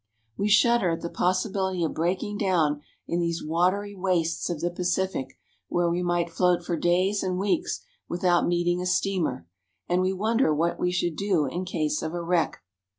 We shudder at the possi The shoveling goes on all day and all night." bility of breaking down in these watery wastes of the Pacific, where we might float for days and weeks without meeting a steamer ; and we wonder what we should do in case of a wreck.